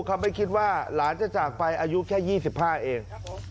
เขาไม่คิดว่าหลานจะจากไปอายุแค่๒๕เอง